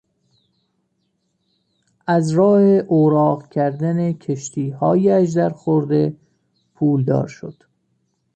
از راه اوراق کردن کشتیهای اژدر خورده پولدار شد.